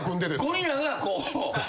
ゴリラがこう。